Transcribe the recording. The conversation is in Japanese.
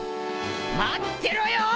待ってろよー！！